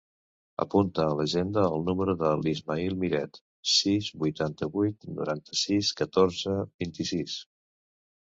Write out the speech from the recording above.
Apunta a l'agenda el número de l'Ismaïl Miret: sis, vuitanta-vuit, noranta-sis, catorze, vint-i-sis.